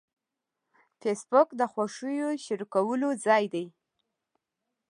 فېسبوک د خوښیو شریکولو ځای دی